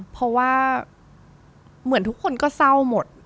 เพราะว่าเหมือนทุกคนก็เศร้าหมด